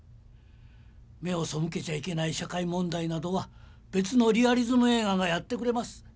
目をそむけちゃいけない社会問題などは別のリアリズム映画がやってくれます。